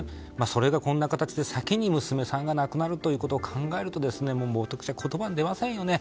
それがこんな形で先に娘さんが亡くなるということを考えると言葉に出ませんよね。